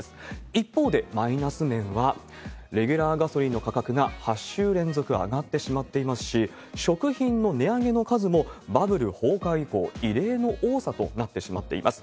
一方で、マイナス面は、レギュラーガソリンの価格が８週連続上がってしまっていますし、食品の値上げの数もバブル崩壊以降、異例の多さとなってしまっています。